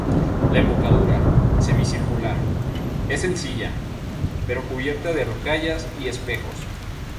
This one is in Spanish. La embocadura, semicircular, es sencilla, pero cubierta de rocallas y espejos.